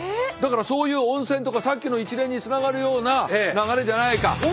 だからそういう温泉とかさっきの一連につながるような流れじゃないか？